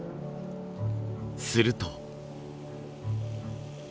すると。